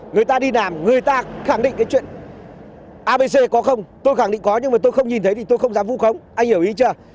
người ta đi làm người ta khẳng định cái chuyện abc có không tôi khẳng định có nhưng mà tôi không nhìn thấy thì tôi không dám vu khống anh hiểu ý chưa